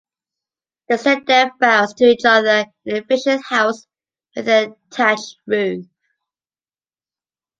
They said their vows to each other in a Frisian house with a thatched roof.